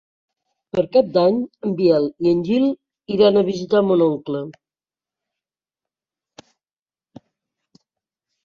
Per Cap d'Any en Biel i en Gil iran a visitar mon oncle.